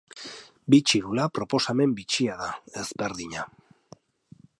Bi txirula proposamen bitxia da, ezberdina.